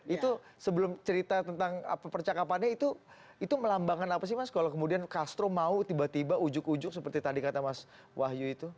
itu sebelum cerita tentang percakapannya itu melambangkan apa sih mas kalau kemudian castro mau tiba tiba ujuk ujug seperti tadi kata mas wahyu itu